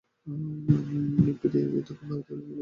লিপিটি দক্ষিণ ভারতে ভাষাটির উৎপত্তি।